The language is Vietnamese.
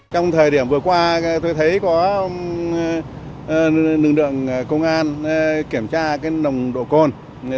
trong thời điểm vừa qua tôi thấy có lực lượng công an kiểm tra cái nồng độ côn